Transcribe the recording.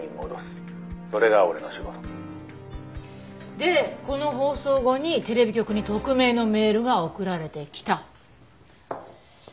「それが俺の仕事」でこの放送後にテレビ局に匿名のメールが送られてきた。